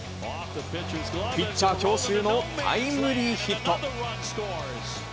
ピッチャー強襲のタイムリーヒット。